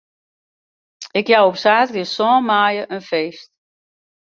Ik jou op saterdei sân maaie in feest.